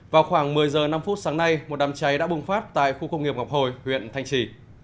vào khoảng một mươi h năm sáng nay một đám cháy đã bùng phát tại khu công nghiệp ngọc hồi huyện thanh trì